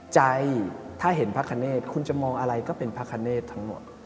ใจถ้าเห็นพระคเนธคุณจะมองอะไรก็เป็นพระคเนธทั้งหมด